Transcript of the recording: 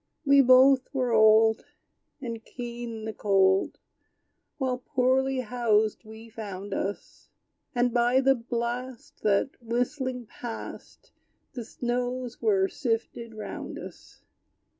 We both were old, And keen the cold; While poorly housed we found us; And by the blast That, whistling, passed, The snows were sifted round us.